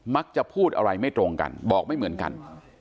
มักจะพูดอะไรไม่ตรงกันบอกไม่เหมือนกัน